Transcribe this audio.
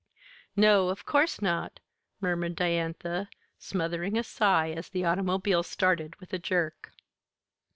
"No, of course not," murmured Diantha, smothering a sigh as the automobile started with a jerk.